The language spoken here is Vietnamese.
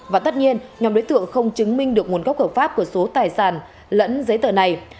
và tất nhiên nhóm đối tượng không chứng minh được nguồn gốc hợp pháp của số tài sản lẫn giấy tờ này